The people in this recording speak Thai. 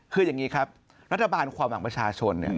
คืออย่างนี้ครับรัฐบาลความหวังประชาชนเนี่ย